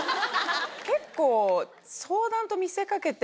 結構。